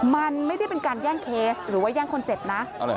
มันไม่ได้เป็นการแย่งเคสหรือว่าแย่งคนเจ็บนะ